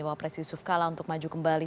bahwa pres yusuf kalah untuk maju kembali